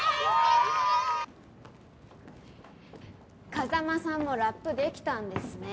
風真さんもラップできたんですね。